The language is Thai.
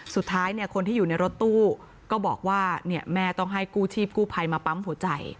สุดท้ายคนที่อยู่ในรถตู้ก็บอกว่าแม่ต้องให้กู้ชีพกู้ภัยมาปั๊มหัวใจ